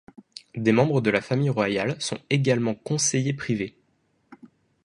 Des membres de la famille royale sont également conseillers privés.